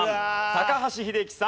高橋英樹さん